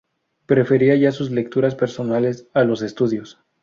Prefería ya sus lecturas personales a los estudios.